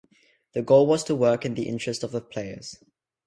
The goal was to work in the interest of the players.